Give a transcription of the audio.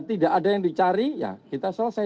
tidak ada yang dicari ya kita selesai